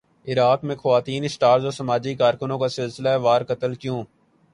عراق میں خواتین اسٹارز اور سماجی کارکنوں کا سلسلہ وار قتل کیوں